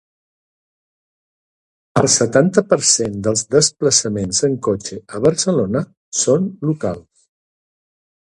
El setanta per cent dels desplaçaments en cotxe a Barcelona són locals.